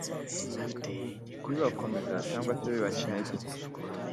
bibakomeza cyangwa se bibaca intege.